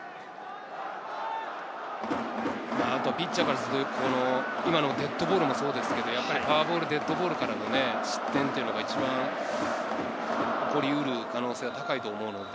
あとはピッチャーからすると、今のデッドボールもそうですけど、フォアボール、デッドボールからの失点というのが一番起こりうる可能性は高いと思うので、